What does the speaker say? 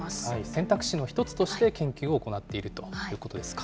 選択肢の一つとして研究を行っているということですか。